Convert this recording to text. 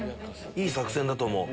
いい作戦だと思う。